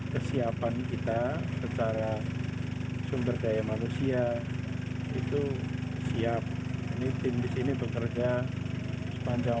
kesiapan kita secara sumber daya manusia itu siap ini tim di sini bekerja sepanjang